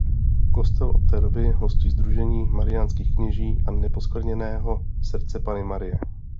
Kostel od té doby hostí sdružení mariánských kněží a Neposkvrněného srdce Panny Marie.